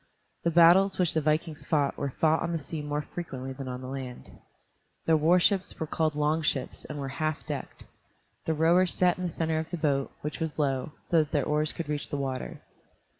The battles which the vikings fought were fought on the sea more frequently than on the land. Their warships were called long ships and were half decked The rowers sat in the center of the boat, which was low, so that their oars could reach the water.